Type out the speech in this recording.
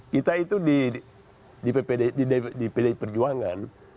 kita itu di pdi perjuangan